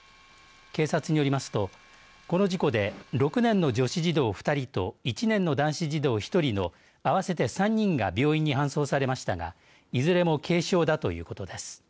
警察によりますと、この事故で６年の女子児童２人と１年の男子児童１人の合わせて３人が病院に搬送されましたがいずれも軽傷だということです。